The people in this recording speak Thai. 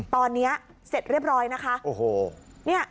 ตอนนี้เสร็จเรียบร้อยนะคะ